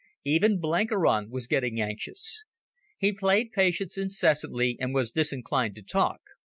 Even Blenkiron was getting anxious. He played Patience incessantly, and was disinclined to talk.